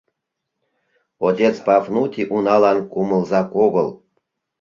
Отец Пафнутий уналан кумылзак огыл.